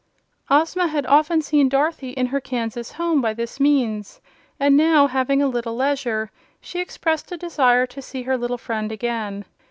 Ozma had often seen Dorothy in her Kansas home by this means, and now, having a little leisure, she expressed a desire to see her little friend again.